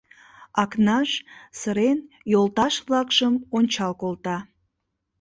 — Акнаш, сырен, йолташ-влакшым ончал колта.